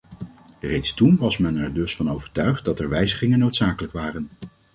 Reeds toen was men er dus van overtuigd dat er wijzigingen noodzakelijk waren.